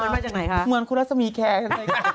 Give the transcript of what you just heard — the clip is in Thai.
เหมือนมาจากไหนคะเหมือนคุณรัสมีแคร์